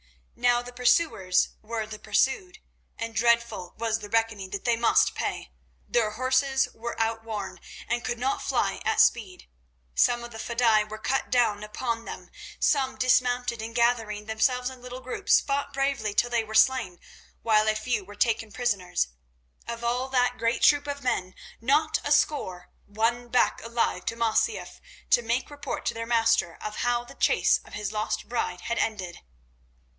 Now the pursuers were the pursued, and dreadful was the reckoning that they must pay. Their horses were outworn and could not fly at speed. Some of the fedaï were cut down upon them. Some dismounted, and gathering themselves in little groups, fought bravely till they were slain, while a few were taken prisoners. Of all that great troup of men not a score won back alive to Masyaf to make report to their master of how the chase of his lost bride had ended.